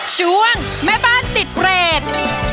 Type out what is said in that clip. ช่วงแม่บ้านติดเรท